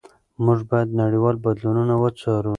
موږ باید نړیوال بدلونونه وڅارو.